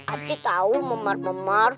aduh tau memar memar